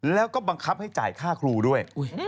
แล้วก็บังคับให้จ่ายค่าครูด้วย